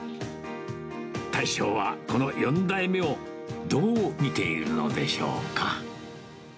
大将は、この４代目をどう見ているのでしょうか。